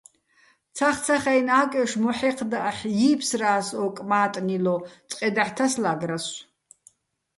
ცახცახაჲნი̆ ა́კჲოშ მოჰ̦ეჴდა აჰ̦ ჲი́ფსრა́ს ო კმა́ტნილო, წყე დაჰ̦ თასლა́გრასო̆.